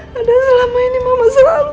padahal selama ini mama selalu